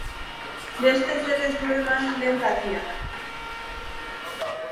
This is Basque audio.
Beste ezer ez du eman lehen zatiak.